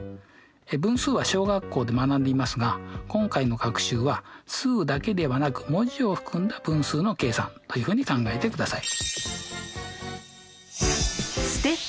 分数は小学校で学んでいますが今回の学習は数だけではなく文字を含んだ分数の計算というふうに考えてください。